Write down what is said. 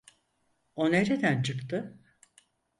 O nereden çıktı?